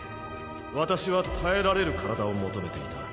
私は耐えられる体を求めていた。